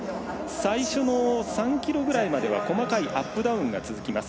最初の３ｋｍぐらいまでは細かいアップダウンが続きます。